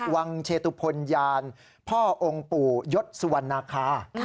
วังเชตุพลยานพ่อองค์ปู่ยศสุวรรณาคา